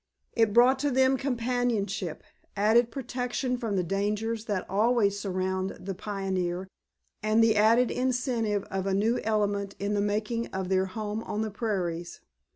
It brought to them companionship, added protection from the dangers that always surround the pioneer, and the added incentive of a new element in the making of their home on the prairies.